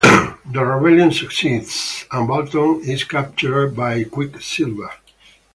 The rebellion succeeds, and Baltog is captured by Quicksilver.